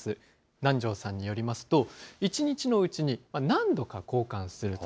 南條さんによりますと、一日のうちに何度か交換すると。